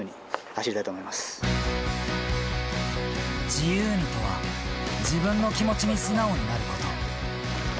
自由に、とは自分の気持ちに素直になること。